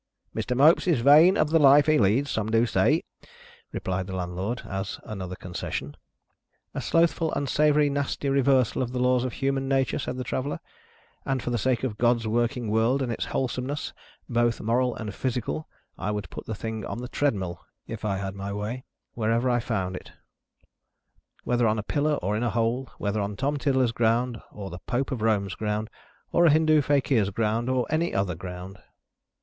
"Mr. Mopes is vain of the life he leads, some do say," replied the Landlord, as another concession. "A slothful, unsavoury, nasty reversal of the laws of human mature," said the Traveller; "and for the sake of GOD'S working world and its wholesomeness, both moral and physical, I would put the thing on the treadmill (if I had my way) wherever I found it; whether on a pillar, or in a hole; whether on Tom Tiddler's ground, or the Pope of Rome's ground, or a Hindoo fakeer's ground, or any other ground."